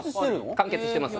完結してます